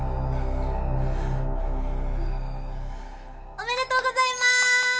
おめでとうございます！